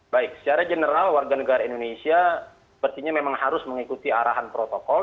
baik secara general warga negara indonesia sepertinya memang harus mengikuti arahan protokol